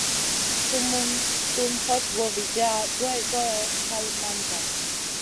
Sumun tun hoɗ voo viziya duwayd goyo, kal man zama.